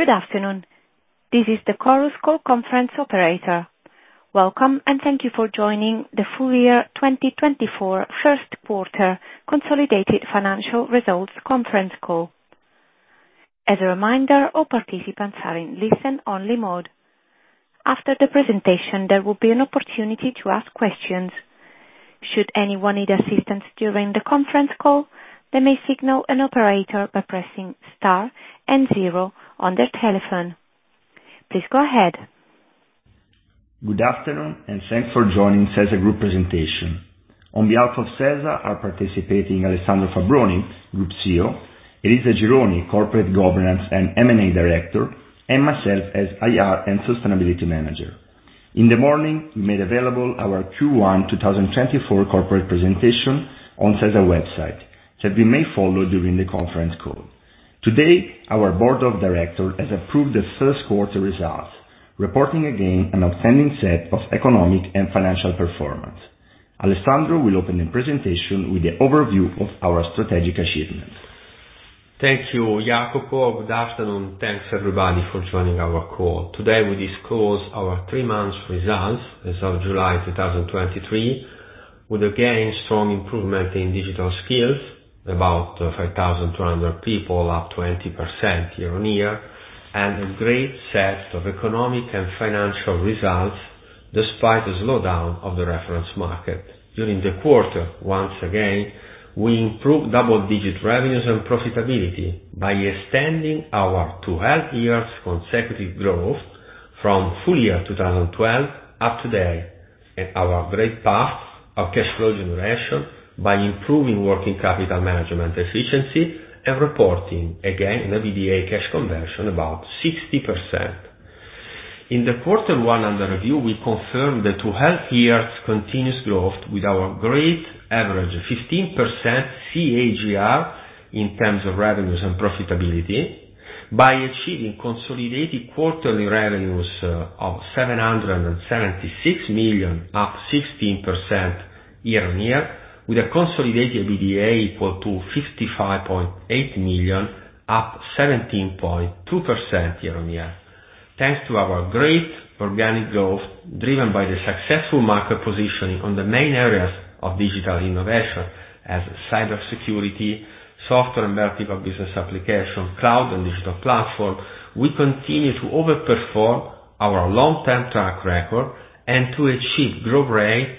Good afternoon. This is the Chorus Call conference operator. Welcome, and thank you for joining the Full Year 2024 First Quarter Consolidated Financial Results Conference Call. As a reminder, all participants are in listen-only mode. After the presentation, there will be an opportunity to ask questions. Should anyone need assistance during the conference call, they may signal an operator by pressing star and zero on their telephone. Please go ahead. Good afternoon, and thanks for joining SeSa Group presentation. On behalf of SeSa, are participating, Alessandro Fabbroni, Group CEO, Elisa Gironi, Corporate Governance and M&A Director, and myself as IR and Sustainability Manager. In the morning, we made available our Q1 2024 corporate presentation on SeSa website, that we may follow during the conference call. Today, our board of directors has approved the 1st quarter results, reporting again an outstanding set of economic and financial performance. Alessandro will open the presentation with the overview of our strategic achievements. Thank you, Jacopo. Good afternoon. Thanks, everybody, for joining our call. Today, we disclose our 3 months results as of July 2023, with, again, strong improvement in digital skills, about 5,200 people, up 20% year-on-year, and a great set of economic and financial results, despite the slowdown of the reference market. During the quarter, once again, we improved double-digit revenues and profitability by extending our 12 years consecutive growth from full year 2012 up-to-date, and our great path of cash flow generation by improving working capital management efficiency and reporting, again, an EBITDA cash conversion, about 60%. In the quarter one under review, we confirmed the 12 years continuous growth with our great average of 15% CAGR in terms of revenues and profitability, by achieving consolidated quarterly revenues of 776 million, up 16% year-on-year, with a consolidated EBITDA equal to 55.8 million, up 17.2% year-on-year. Thanks to our great organic growth, driven by the successful market positioning on the main areas of digital innovation, as cybersecurity, software and vertical business application, cloud and digital platform, we continue to overperform our long-term track record, and to achieve growth rate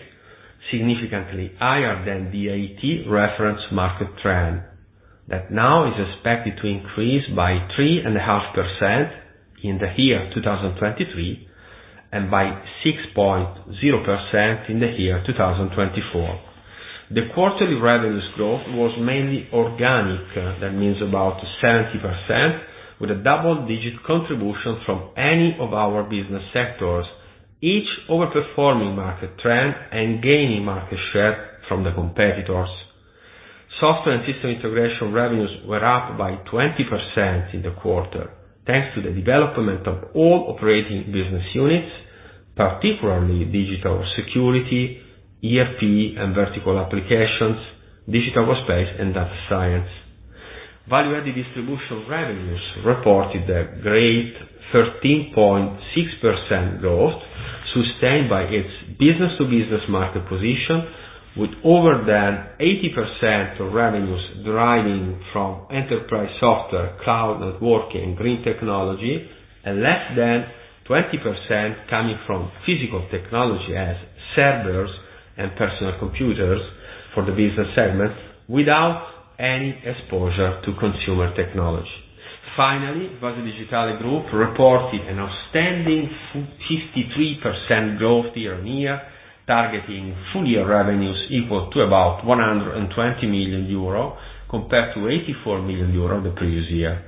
significantly higher than the IT reference market trend, that now is expected to increase by 3.5% in the year 2023, and by 6.0% in the year 2024. The quarterly revenues growth was mainly organic. That means about 70%, with a double-digit contribution from any of our business sectors, each overperforming market trend and gaining market share from the competitors. Software and System Integration revenues were up by 20% in the quarter, thanks to the development of all operating business units, particularly digital security, EFE and vertical applications, digital workspace, and data science. Value-Added Distribution revenues reported a great 13.6% growth, sustained by its business-to-business market position, with over than 80% of revenues deriving from enterprise software, cloud, networking, green technology, and less than 20% coming from physical technology as servers and personal computers for the business segment, without any exposure to consumer technology. Finally, Base Digitale Group reported an outstanding 53% growth year-on-year, targeting full year revenues equal to about 120 million euro, compared to 84 million euro the previous year.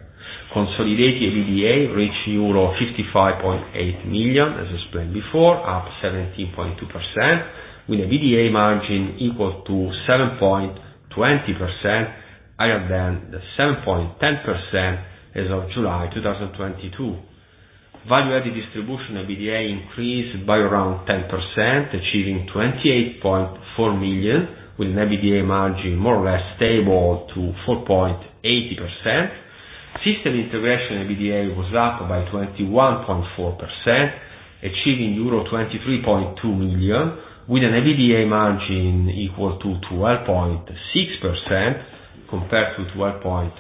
Consolidated EBITDA reached euro 55.8 million, as explained before, up 17.2%, with an EBITDA margin equal to 7.20%, higher than the 7.10% as of July 2022. Value-Added Distribution EBITDA increased by around 10%, achieving 28.4 million, with an EBITDA margin more or less stable to 4.80%. System integration EBITDA was up by 21.4%, achieving euro 23.2 million, with an EBITDA margin equal to 12.6%, compared to 12.5%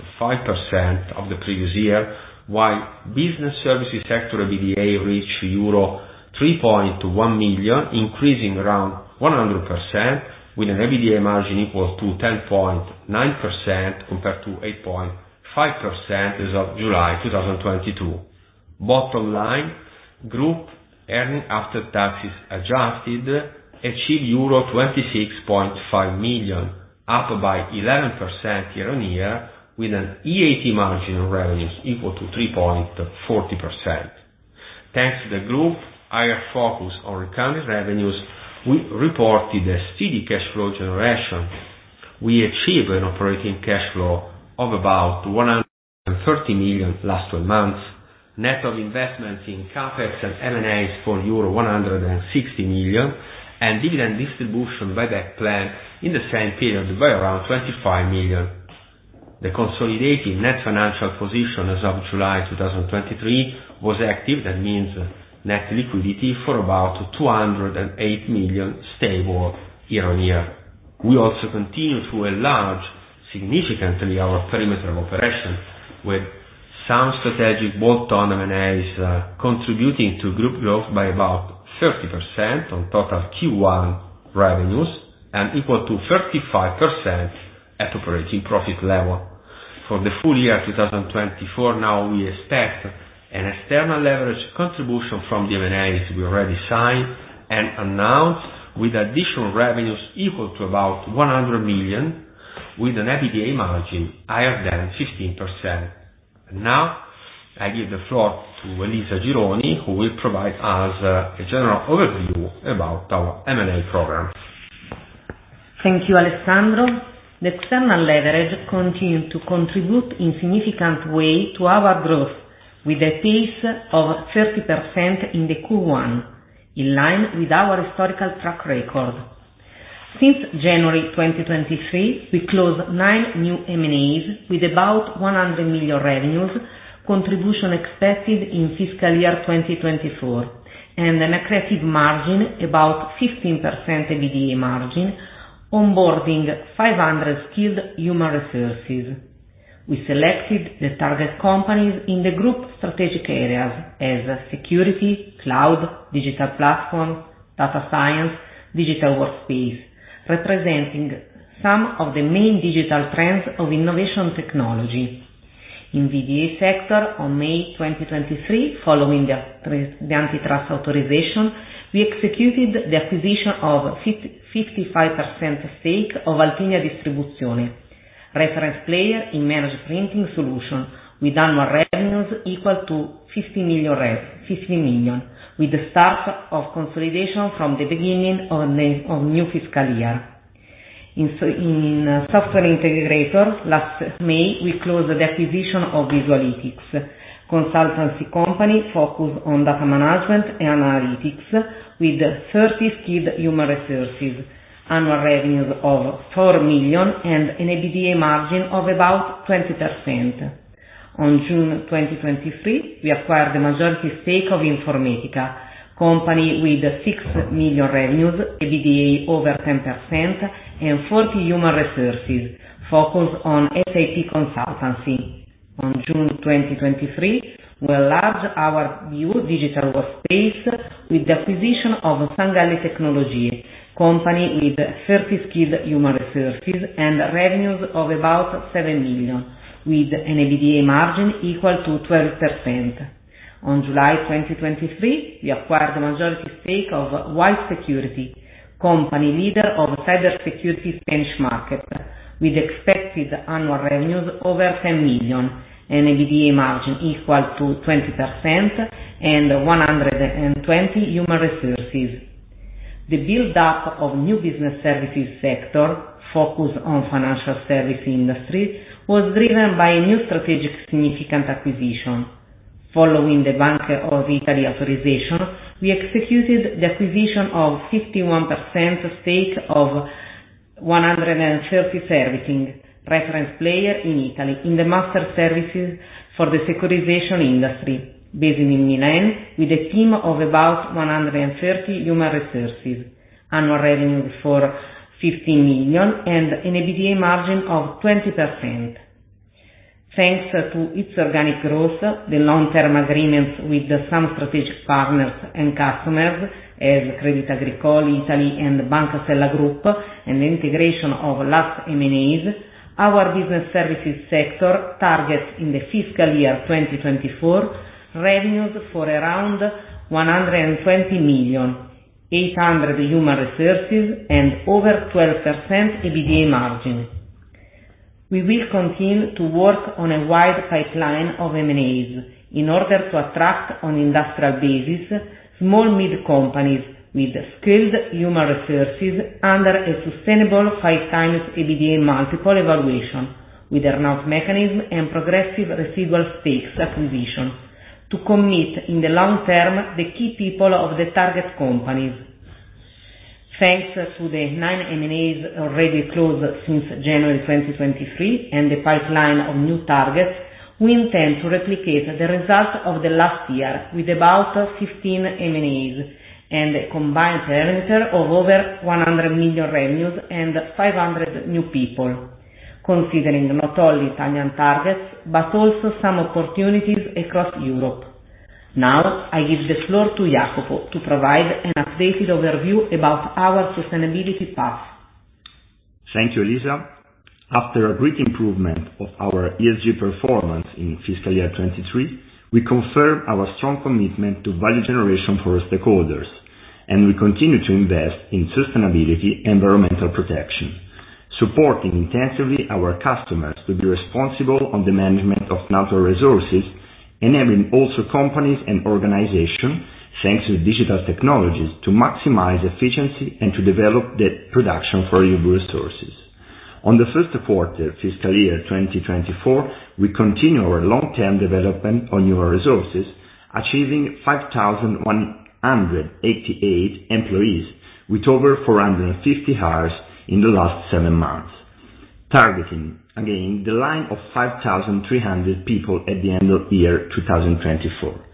of the previous year, while Business Services sector EBITDA reached euro 3.1 million, increasing around 100%, with an EBITDA margin equal to 10.9%, compared to 8.5% as of July 2022. Bottom line, group earnings after taxes adjusted, achieved euro 26.5 million, up by 11% year-on-year, with an EAT margin on revenues equal to 3.40%. Thanks to the group higher focus on recurring revenues, we reported a steady cash flow generation. We achieved an operating cash flow of about 130 million last 12 months, net of investment in CapEx and M&As for euro 160 million, and dividend distribution buyback plan in the same period by around 25 million. The consolidated net financial position as of July 2023, was active, that means net liquidity, for about 208 million stable year-on-year. We also continue to enlarge significantly our parameter of operations, with some strategic bolt-on M&As, contributing to group growth by about 30% on total Q1 revenues, and equal to 35% at operating profit level. For the full year 2024, now we expect an external leverage contribution from the M&As we already signed and announced, with additional revenues equal to about 100 million, with an EBITDA margin higher than 16%. Now, I give the floor to Elisa Gironi, who will provide us a general overview about our M&A program. Thank you, Alessandro. The external leverage continued to contribute in significant way to our growth, with a pace of 30% in the Q1, in line with our historical track record. Since January 2023, we closed 9 new M&As with about 100 million revenues, contribution expected in fiscal year 2024, and an aggressive margin, about 15% EBITDA margin, onboarding 500 skilled human resources. We selected the target companies in the group strategic areas as security, cloud, digital platform, data science, digital workspace, representing some of the main digital trends of innovation technology. In BDA sector, on May 2023, following the antitrust authorization, we executed the acquisition of 55% stake of Altinia Distribuzione, reference player in managed printing solution, with annual revenues equal to 50 million, with the start of consolidation from the beginning of the new fiscal year. In software integrator, last May, we closed the acquisition of Visualitics, consultancy company focused on data management and analytics with 30 skilled human resources, annual revenues of 4 million, and an EBITDA margin of about 20%. On June 2023, we acquired the majority stake of Informetica, company with 6 million revenues, EBITDA over 10%, and 40 human resources, focused on SAP consultancy. On June 2023, we enlarged our new digital workspace with the acquisition of Sangalli Tecnologie, company with 30 skilled human resources and revenues of about 7 million, with an EBITDA margin equal to 12%. On July 2023, we acquired the majority stake of Wise Security Global, company leader of cybersecurity Spanish market, with expected annual revenues over 10 million, an EBITDA margin equal to 20%, and 120 human resources. The build-up of new Business Services sector, focused on financial service industry, was driven by a new strategic significant acquisition. Following the Bank of Italy authorization, we executed the acquisition of 51% stake of 130 Servicing, reference player in Italy, in the master services for the securitization industry, based in Milan, with a team of about 130 human resources, annual revenues of 50 million, and an EBITDA margin of 20%. Thanks to its organic growth, the long-term agreements with some strategic partners and customers, as Crédit Agricole Italia and the Banca Sella Group, and the integration of last M&As, our Business Services sector targets in the fiscal year 2024, revenues for around 120 million, 800 human resources, and over 12% EBITDA margin. We will continue to work on a wide pipeline of M&As, in order to attract, on industrial basis, small mid companies with skilled human resources under a sustainable 5x EBITDA multiple evaluation, with earn-out mechanism and progressive residual stakes acquisition, to commit, in the long term, the key people of the target companies. Thanks to the 9 M&As already closed since January 2023, and the pipeline of new targets, we intend to replicate the result of the last year with about 15 M&As, and a combined parameter of over 100 million revenues and 500 new people, considering not only Italian targets, but also some opportunities across Europe. Now, I give the floor to Jacopo to provide an updated overview about our sustainability path. Thank you, Elisa. After a great improvement of our ESG performance in fiscal year 2023, we confirm our strong commitment to value generation for our stakeholders, and we continue to invest in sustainability and environmental protection, supporting intensively our customers to be responsible on the management of natural resources, enabling also companies and organizations, thanks to digital technologies, to maximize efficiency and to develop the production for renewable resources. On the 1st quarter, fiscal year 2024, we continue our long-term development on human resources achieving 5,188 employees, with over 450 hires in the last seven months, targeting, again, the line of 5,300 people at the end of year 2024.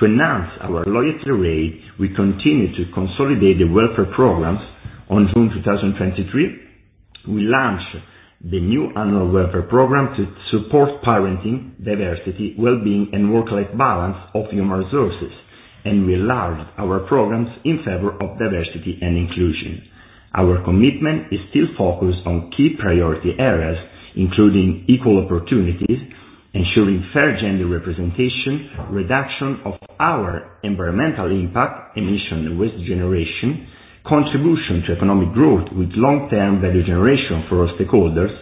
To enhance our loyalty rate, we continue to consolidate the welfare programs. On June 2023, we launched the new annual welfare program to support parenting, diversity, wellbeing, and work-life balance of human resources, and we enlarged our programs in favor of diversity and inclusion. Our commitment is still focused on key priority areas, including equal opportunities, ensuring fair gender representation, reduction of our environmental impact, emission and waste generation, contribution to economic growth with long-term value generation for our stakeholders,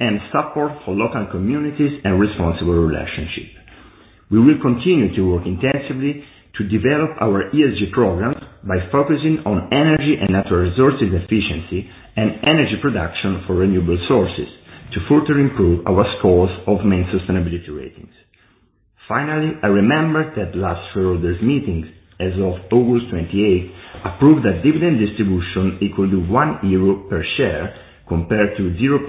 and support for local communities and responsible relationship. We will continue to work intensively to develop our ESG programs by focusing on energy and natural resources efficiency, and energy production for renewable sources, to further improve our scores of main sustainability ratings. Finally, I remember that last shareholders meetings, as of August 28th, approved a dividend distribution equal to 1 euro per share, compared to 0.9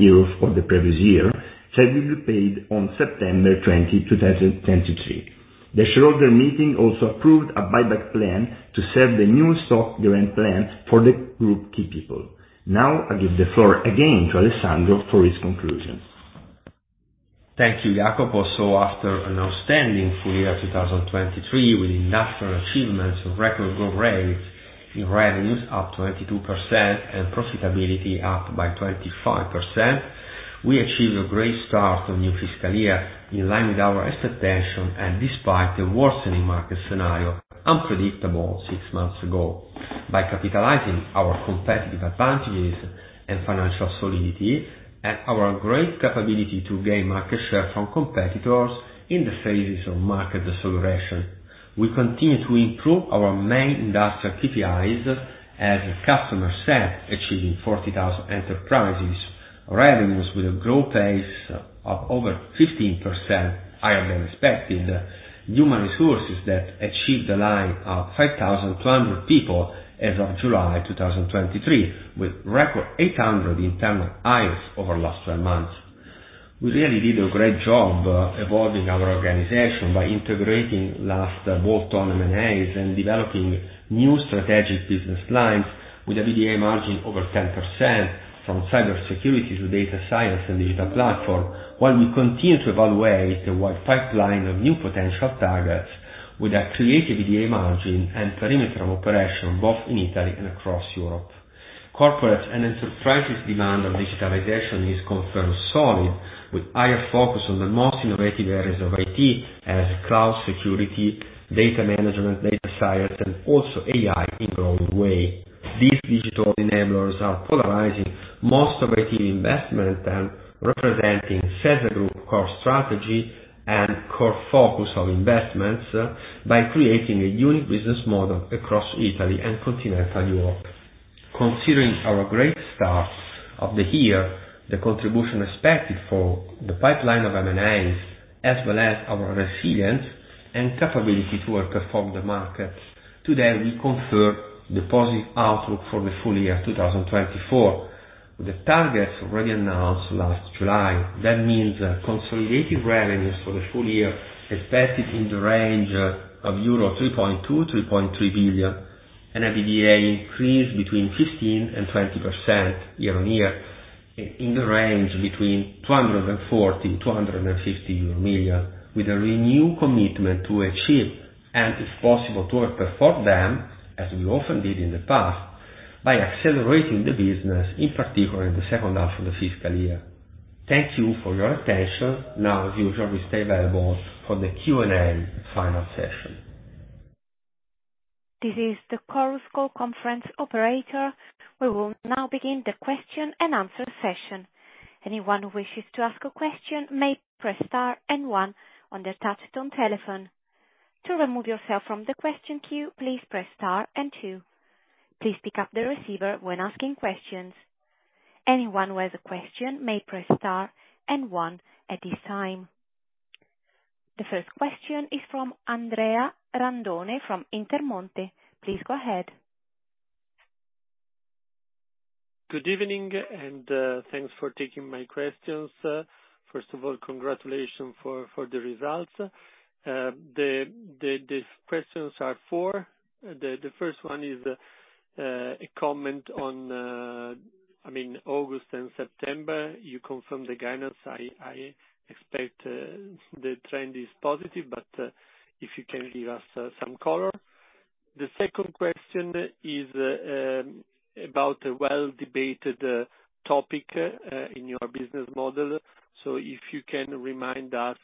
euro for the previous year, said will be paid on September 20th, 2023. The shareholder meeting also approved a buyback plan to serve the new stock grant plans for the group key people. Now, I give the floor again to Alessandro for his conclusions. Thank you, Jacopo. So after an outstanding full year, 2023, with industrial achievements and record growth rates in revenues, up 22%, and profitability, up by 25%, we achieved a great start on new fiscal year, in line with our expectation, and despite the worsening market scenario, unpredictable six months ago. By capitalizing our competitive advantages and financial solidity, and our great capability to gain market share from competitors in the phases of market deceleration. We continue to improve our main industrial KPIs, as customer set, achieving 40,000 enterprises, revenues with a growth pace of over 15% higher than expected. Human resources that achieved a line of 5,200 people as of July 2023, with record 800 internal hires over last 12 months. We really did a great job, evolving our organization by integrating last bolt-on M&As and developing new strategic business lines, with EBITDA margin over 10%, from cybersecurity to data science and digital platform, while we continue to evaluate the wide pipeline of new potential targets with accretive EBITDA margin and perimeter of operation, both in Italy and across Europe. Corporate and enterprises demand on digitalization is confirmed solid, with higher focus on the most innovative areas of IT, as cloud security, data management, data science, and also AI, in growing way. These digital enablers are polarizing most innovative investment and representing SeSa Group core strategy and core focus of investments, by creating a unique business model across Italy and continental Europe. Considering our great start of the year, the contribution expected for the pipeline of M&As, as well as our resilience and capability to outperform the market, today, we confirm the positive outlook for the full year 2024. The targets already announced last July, that means consolidated revenues for the full year, expected in the range of 3.2-3.3 billion euro, and EBITDA increase between 15% and 20% year-on-year, in the range between 240 million and 250 million euro, with a renewed commitment to achieve, and if possible, to outperform them, as we often did in the past, by accelerating the business, in particular, in the 2nd half of the fiscal year. Thank you for your attention. Now, as usual, we stay available for the Q&A final session. This is the Chorus Call conference operator. We will now begin the question and answer session. Anyone who wishes to ask a question may press star and one on their touch-tone telephone. To remove yourself from the question queue, please press star and two. Please pick up the receiver when asking questions. Anyone who has a question may press star and one at this time. The first question is from Andrea Randone from Intermonte. Please go ahead. Good evening, and, thanks for taking my questions. First of all, congratulations for the results. The questions are four. The first one is a comment on, I mean, August and September. You confirmed the guidance. I expect the trend is positive, but if you can give us some color. The second question is about a well-debated topic in your business model. So if you can remind us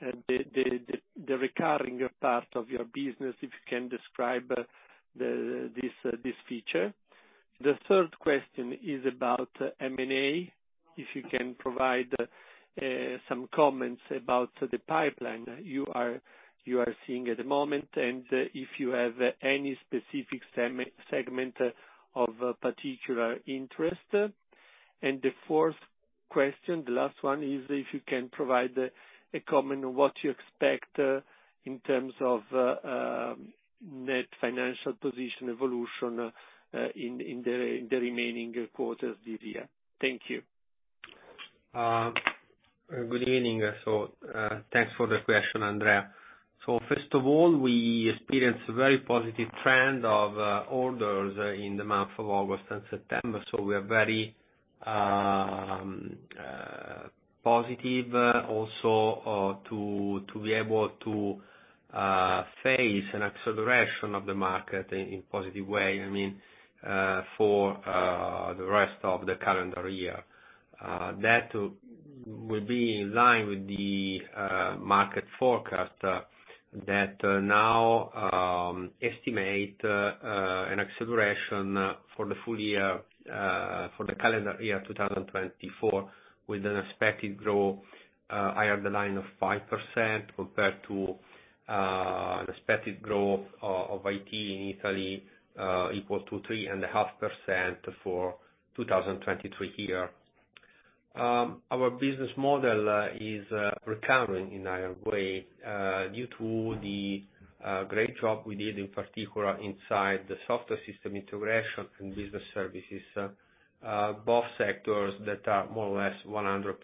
the recurring part of your business, if you can describe this feature. The third question is about M&A, if you can provide some comments about the pipeline you are seeing at the moment, and if you have any specific segment of particular interest? The fourth question, the last one, is if you can provide a comment on what you expect in terms of net financial position evolution in the remaining quarters of the year. Thank you. Good evening. So, thanks for the question, Andrea. So first of all, we experienced a very positive trend of orders in the month of August and September, so we are very positive also to be able to face an acceleration of the market in positive way, I mean, for the rest of the calendar year. That will be in line with the market forecast that now estimate an acceleration for the full year for the calendar year 2024, with an expected growth higher the line of 5% compared to an expected growth of IT in Italy equal to 3.5% for 2023 year. Our business model is recurring in a way due to the great job we did, in particular, inside the software and System Integration and Business Services. Both sectors that are more or less 100%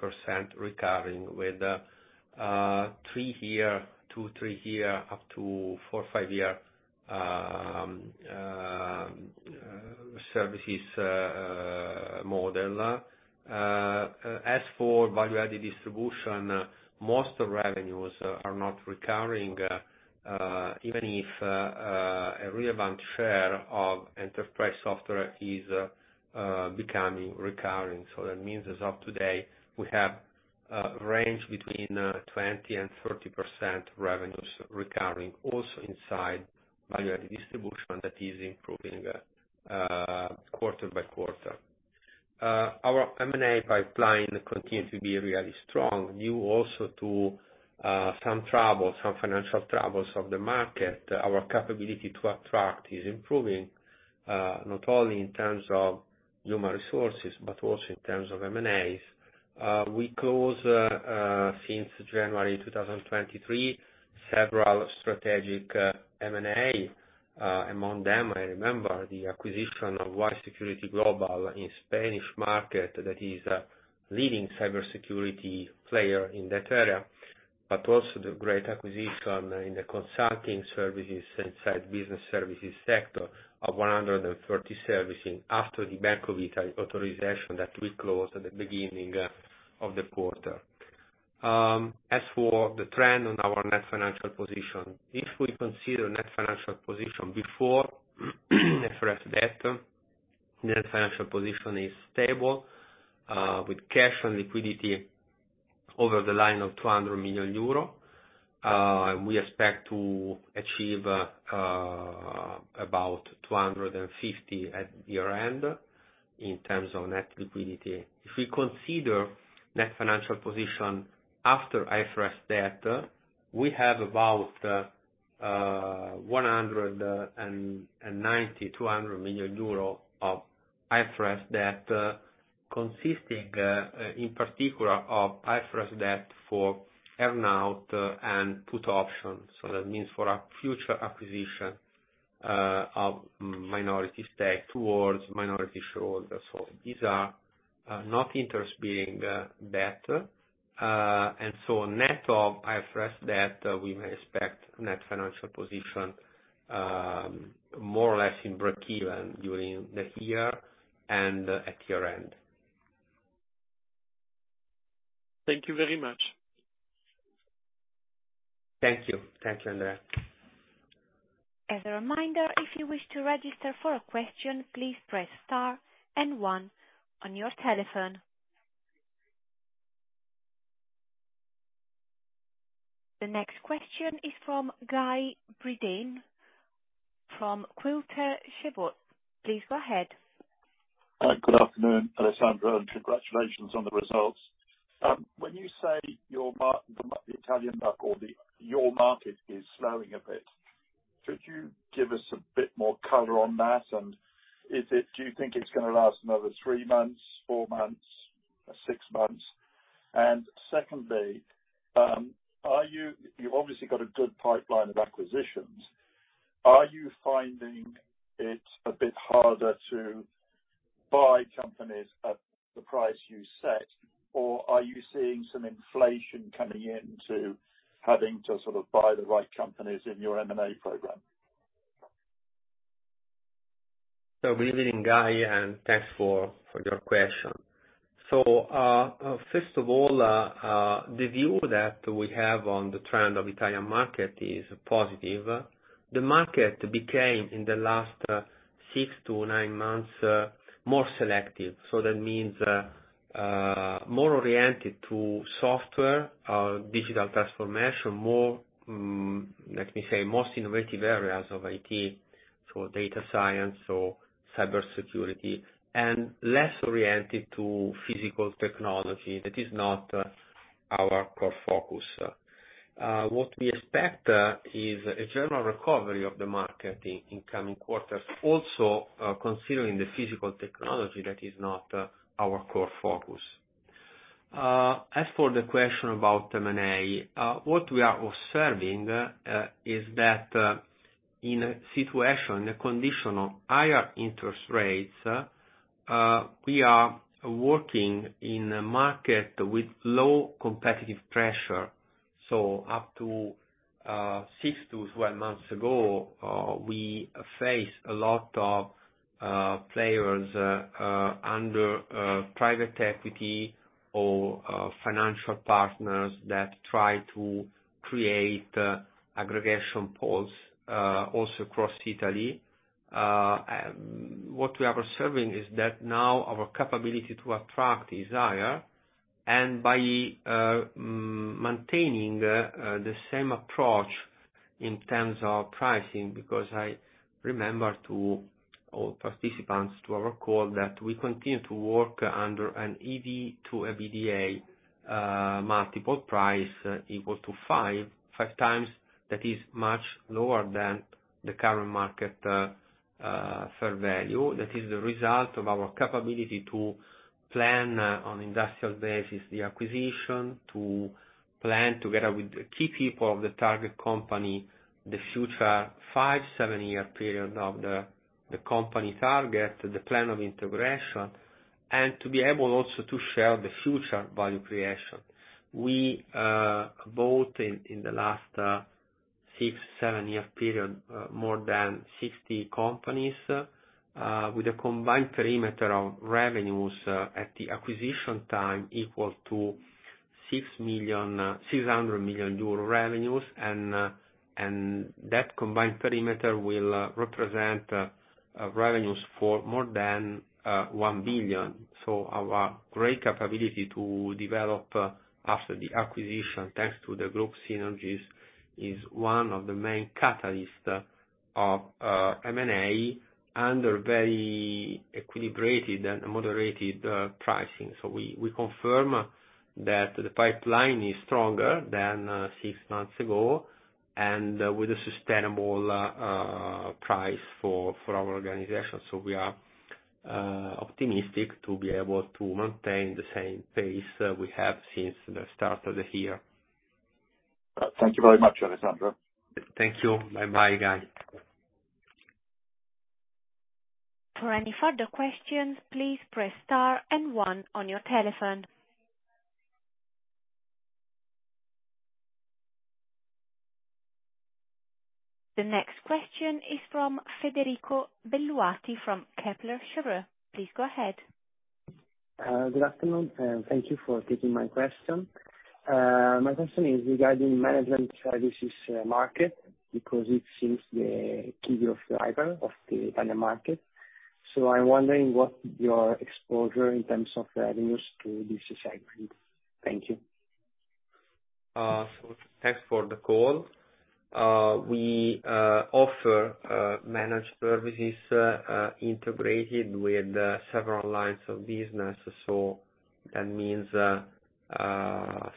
recurring with 3-year, 2-3 years up to 4-5 years services model. As for Value-Added Distribution, most revenues are not recurring even if a relevant share of enterprise software is becoming recurring. So that means as of today, we have a range between 20% and 30% revenues recurring also inside Value-Added Distribution that is improving quarter-by-quarter. Our M&A pipeline continues to be really strong, due also to some trouble, some financial troubles of the market. Our capability to attract is improving, not only in terms of human resources, but also in terms of M&As. We close, since January 2023, several strategic M&A. Among them, I remember the acquisition of Wise Security Global in Spanish market that is a leading cybersecurity player in that area, but also the great acquisition in the consulting services inside Business Services sector of 130 Servicing after the Bank of Italy authorization that we closed at the beginning of the quarter. As for the trend on our net financial position, if we consider net financial position before IFRS debt, net financial position is stable, with cash and liquidity over the line of 200 million euro. We expect to achieve, about 250 at year-end in terms of net liquidity. If we consider net financial position after IFRS debt, we have about 190 million-200 million euro of IFRS debt, consisting in particular of IFRS debt for earn out and put options. So that means for our future acquisition of minority stake towards minority shareholders. So these are not interest being better, and so net of IFRS debt, we may expect net financial position more or less in breakeven during next year and at year-end. Thank you very much. Thank you. Thank you, Andrea. As a reminder, if you wish to register for a question, please press star and one on your telephone. The next question is from Guy Sheridan from Quilter Cheviot. Please go ahead. Hi, good afternoon, Alessandro, and congratulations on the results. When you say the Italian market or your market is slowing a bit, could you give us a bit more color on that? And is it? Do you think it's gonna last another three months, four months, or six months? And secondly, are you? You've obviously got a good pipeline of acquisitions. Are you finding it a bit harder to buy companies at the price you set, or are you seeing some inflation coming in to having to sort of buy the right companies in your M&A program? So good evening, Guy, and thanks for your question. So first of all, the view that we have on the trend of the Italian market is positive. The market became, in the last 6-9 months, more selective. So that means more oriented to software, digital transformation, more, let me say, most innovative areas of IT, so data science or cybersecurity, and less oriented to physical technology. That is not our core focus. What we expect is a general recovery of the market in coming quarters, also considering the physical technology that is not our core focus. As for the question about M&A, what we are observing is that in a situation, a condition of higher interest rates, we are working in a market with low competitive pressure. So up to 6-12 months ago, we faced a lot of players under private equity or financial partners that try to create aggregation pools also across Italy. What we are observing is that now our capability to attract is higher, and by maintaining the same approach in terms of pricing, because I remember to all participants to our call, that we continue to work under an EV to EBITDA multiple price equal to 5.5x. That is much lower than the current market fair value. That is the result of our capability to plan on industrial basis the acquisition, to plan together with the key people of the target company the future 5-7 year period of the target company, the plan of integration, and to be able also to share the future value creation. We bought in the last 6-7 year period more than 60 companies with a combined perimeter of revenues at the acquisition time equal to 600 million euro revenues, and that combined perimeter will represent revenues for more than 1 billion. So our great capability to develop after the acquisition thanks to the group synergies is one of the main catalyst of M&A under very equilibrated and moderated pricing. We confirm that the pipeline is stronger than six months ago, and with a sustainable price for our organization. We are optimistic to be able to maintain the same pace we have since the start of the year. Thank you very much, Alessandro. Thank you. Bye-bye, guys. For any further questions, please press star and one on your telephone. The next question is from Federico Belluati from Kepler Cheuvreux. Please go ahead. Good afternoon, and thank you for taking my question. My question is regarding management services, market, because it seems the key driver of the Italian market. So I'm wondering what your exposure in terms of revenues to this segment? Thank you. So thanks for the call. We offer managed services integrated with several lines of business. So that means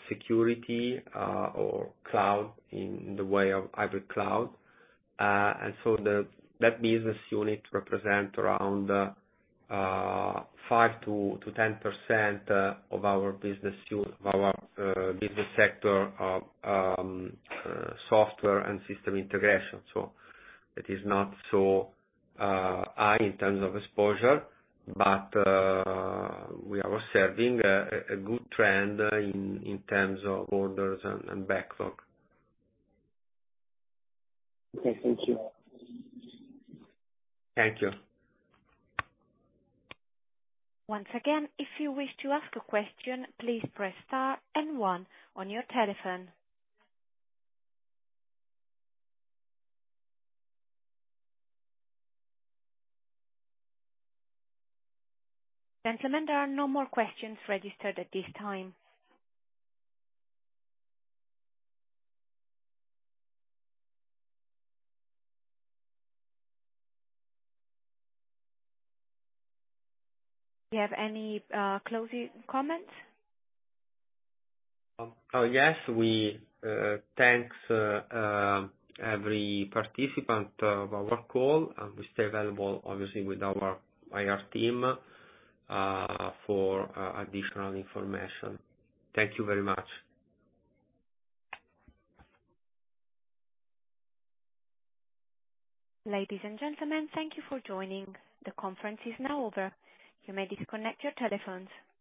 security or cloud in the way of hybrid cloud. And so that business unit represent around 5%-10% of our business unit, of our business sector, Software and System Integration. So it is not so high in terms of exposure, but we are observing a good trend in terms of orders and backlog. Okay. Thank you. Thank you. Once again, if you wish to ask a question, please press star and one on your telephone. Gentlemen, there are no more questions registered at this time. Do you have any closing comments? Oh, yes. We thank every participant of our call, and we stay available, obviously, with our IR team, for additional information. Thank you very much. Ladies and gentlemen, thank you for joining. The conference is now over. You may disconnect your telephones.